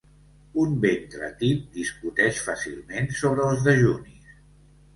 Un ventre tip discuteix fàcilment sobre els dejunis.